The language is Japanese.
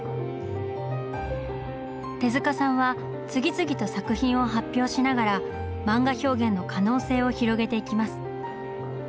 手さんは次々と作品を発表しながら漫画表現の可能性を広げていきます。